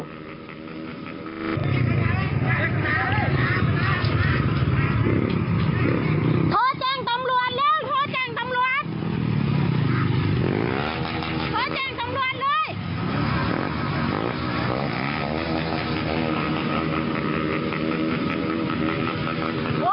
ดราคมันล่ะ